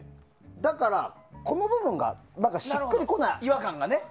だから、この部分がしっくりこない。